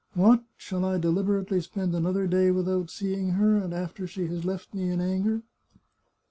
What! shall I deliberately spend another day without seeing her, and after she has left me in anger